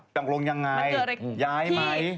ดังโรงยังไงย้ายไหม